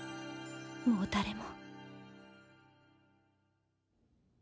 もう誰も。